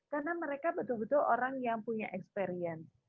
karena mereka betul betul orang yang punya experience